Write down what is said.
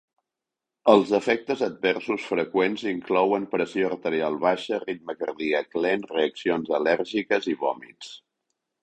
Els efectes adversos freqüents inclouen pressió arterial baixa, ritme cardíac lent, reaccions al·lèrgiques i vòmits.